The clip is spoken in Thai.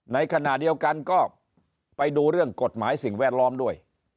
ในขณะเดียวกันก็ไปดูเรื่องกฎหมายสิ่งแวดล้อมด้วย